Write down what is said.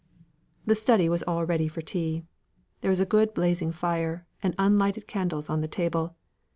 The study was all ready for tea. There was a good blazing fire, and unlighted candles on the table.